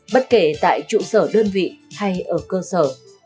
bất kể tại trụ sở đơn vị hay ở cơ sở